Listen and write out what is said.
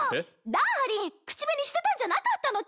ダーリン口紅捨てたんじゃなかったのけ！？